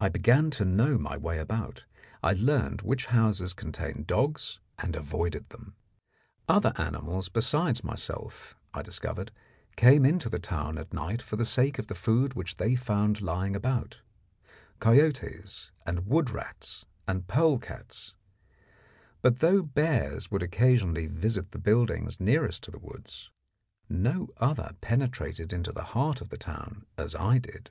I began to know my way about. I learned which houses contained dogs, and avoided them. Other animals besides myself, I discovered, came into the town at night for the sake of the food which they found lying about coyotes and wood rats, and polecats; but though bears would occasionally visit the buildings nearest to the woods, no other penetrated into the heart of the town as I did.